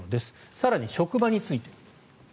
更に、職場について。